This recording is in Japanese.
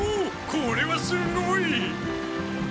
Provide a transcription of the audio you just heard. これはすごい！